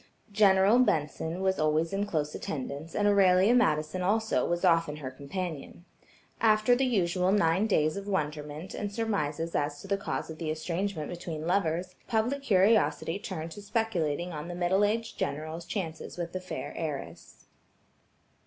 General Benson was always in close attendance, and Aurelia Madison also, was often her companion. After the usual nine days of wonderment and surmises as to the cause of the estrangement between lovers, public curiosity turned to speculating on the middle aged general's chances with the fair heiress.